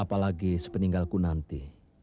apalagi sepeninggalku nanti